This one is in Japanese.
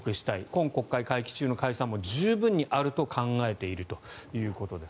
今国会会期中の解散も十分にあると考えているということです。